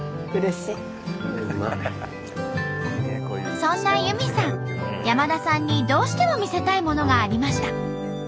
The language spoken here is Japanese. そんな由美さん山田さんにどうしても見せたいものがありました。